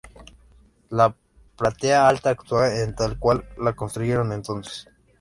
La platea alta actual es tal cual la construyeron entonces.